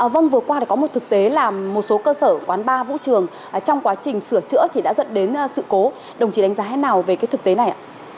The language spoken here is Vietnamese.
vâng vừa qua có một thực tế là một số cơ sở quán bar vũ trường trong quá trình sửa chữa đã dẫn đến sự cố đồng chí đánh giá thế nào về thực tế này